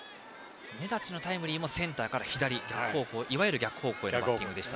根立のタイムリーもセンターから左いわゆる逆方向への打球でした。